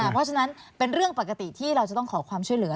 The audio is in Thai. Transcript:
เพราะฉะนั้นเป็นเรื่องปกติที่เราจะต้องขอความช่วยเหลือ